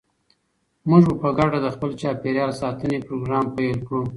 موږ به په ګډه د خپل چاپیریال ساتنې پروګرام پیل کړو.